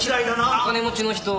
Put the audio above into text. お金持ちの人